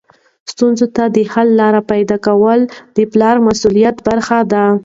ستونزو ته حل لارې پیدا کول د پلار د مسؤلیت برخه ده.